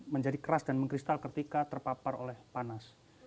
menjadi keras dan mengkristal ketika terpapar oleh panas